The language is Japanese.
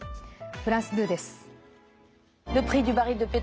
フランス２です。